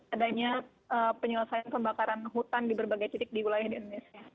adanya penyelesaian pembakaran hutan di berbagai titik di wilayah di indonesia